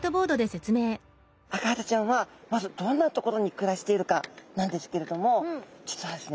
アカハタちゃんはまずどんな所に暮らしているかなんですけれども実はですね